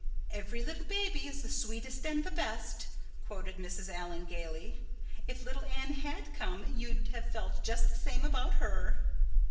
"'Every little baby is the sweetest and the best,'" quoted Mrs. Allan gaily. "If little Anne had come you'd have felt just the same about her."